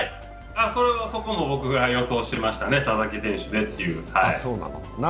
そこも僕が予想しましたね、佐々木選手でと。